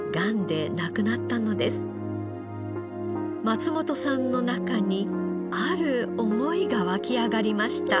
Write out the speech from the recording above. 松本さんの中にある思いがわき上がりました。